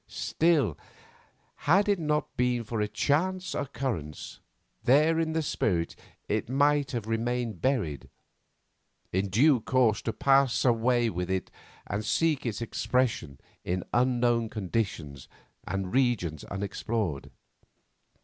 Still, had it not been for a chance occurrence, there, in the spirit, it might have remained buried, in due course to pass away with it and seek its expression in unknown conditions and regions unexplored.